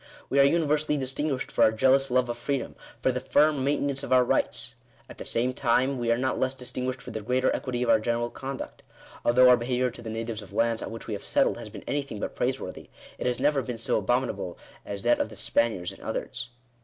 We are universally distinguished for our jealous love of freedom — for the firm maintenance of our rights. At the same time we are not less 1/ distinguished for the greater equity of our general conduct. Although our behaviour to the natives of lands on which we have settled has been anything but praiseworthy, it has never been so abominable as that of the Spaniards and others.